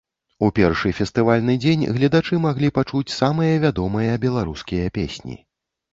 У першы фестывальны дзень гледачы маглі пачуць самыя вядомыя беларускія песні.